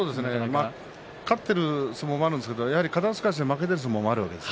勝っている相撲がありますけど肩すかしで負けている相撲もあるんです。